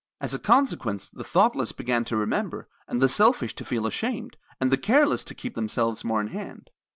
As a consequence, the thoughtless began to remember, and the selfish to feel ashamed, and the careless to keep themselves more in hand.